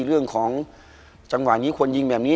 เรื่องของจังหวะนี้ควรยิงแบบนี้